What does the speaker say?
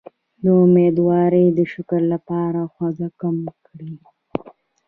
د امیدوارۍ د شکر لپاره خواږه کم کړئ